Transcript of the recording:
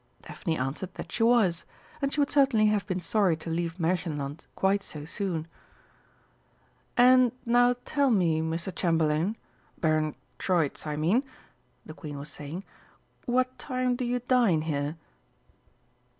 Daphne answered that she was and she would certainly have been sorry to leave Märchenland quite so soon. "And now tell me, Mr. Chamberlain Baron Troitz, I mean," the Queen was saying. "What time do you dine here?"